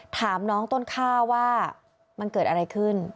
ถามน้องต้นข้าวว่ามันเกิดอะไรขึ้น